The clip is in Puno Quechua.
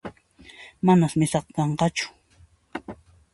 Manas misaqa kanqachu